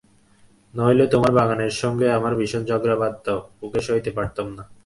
নইলে তোমার বাগানের সঙ্গে আমার ভীষণ ঝগড়া বাধত, ওকে সইতে পারতুম না।